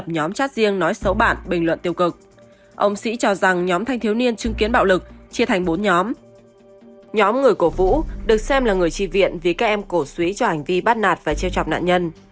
nhóm người cổ vũ được xem là người tri viện vì các em cổ xúy cho hành vi bắt nạt và treo trọc nạn nhân